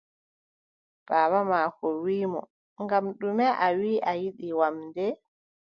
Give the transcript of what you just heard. Baaba maako wii mo: ngam ɗume a wii a yiɗi wamnde?